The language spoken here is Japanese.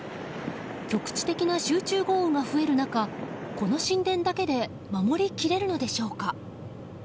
局地的な集中豪雨が増える中この神殿だけで守り切れるのでしょうか。